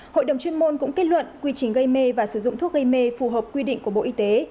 hội đồng chuyên môn cũng kết luận quy trình gây mê và sử dụng thuốc gây mê phù hợp quy định của bộ y tế